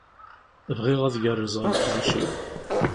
Bɣiɣ ad gerrzeɣ leqdic-iw.